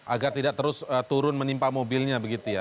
agar tidak terus turun menimpa mobilnya begitu ya